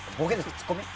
ツッコミ？